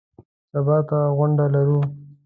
سبا ته غونډه لرو .